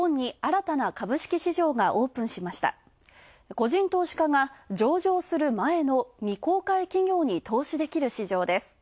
個人投資家が上場する前の未公開企業に投資できる市場です。